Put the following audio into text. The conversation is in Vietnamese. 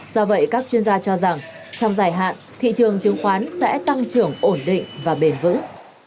do vậy các chuyên gia cho rằng trong dài hạn thị trường chứng khoán sẽ tăng trưởng ổn định và bền vững